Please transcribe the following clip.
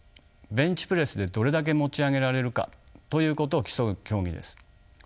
ベンチプレスでどれだけ持ち上げられるかということを競う競技です。